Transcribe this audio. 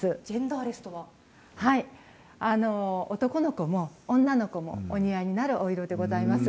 男の子も女の子もお似合いになるお色でございます。